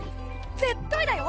⁉絶対だよ